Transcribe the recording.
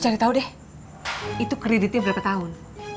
lo cari tau deh itu kreditnya berapa tahun